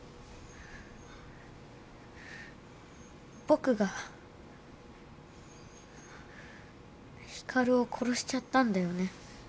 僕が光を殺しちゃったんだよね？